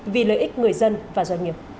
vì lợi ích người dân và doanh nghiệp